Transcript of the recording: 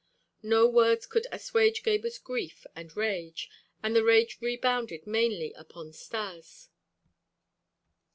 No words could assuage Gebhr's grief and rage, and the rage rebounded mainly upon Stas.